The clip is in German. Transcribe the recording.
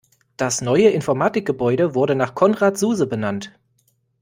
Das neue Informatikgebäude wurde nach Konrad Zuse benannt.